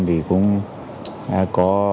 thì cũng có